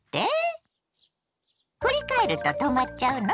振り返ると止まっちゃうの？